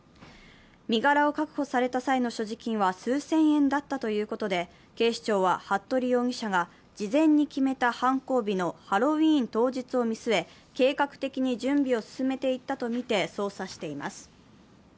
身柄を確保された際の所持金は数千円だったということで警視庁は服部容疑者が事前に決めた犯行日のハロウィーン当日を見据え、計画的に準備を進めていったとみて捜査しています。